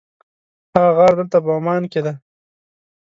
هغه غار دلته په عمان کې دی.